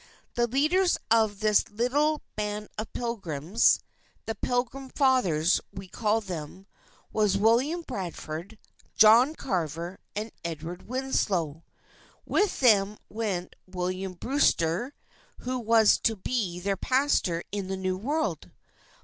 The leaders of this little band of Pilgrims the Pilgrim Fathers, we call them were William Bradford, John Carver, and Edward Winslow. With them went William Brewster, who was to be their pastor in the New World.